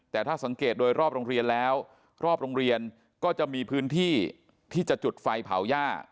แต่ถ้าสังเกตโดยรอบโรงเรียนแล้วรอบโรงเรียนก็จะมีพื้นที่ที่จะจุดไฟเผาหญ้า